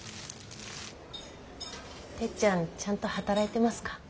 てっちゃんちゃんと働いてますか？